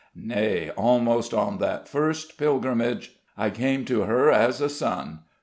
Nay, almost on that first pilgrimage I came to her as a son.